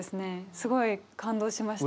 すごい感動しました。